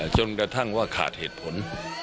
จนกระทั่งว่าขาดเหตุผล